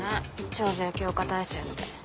徴税強化体制って。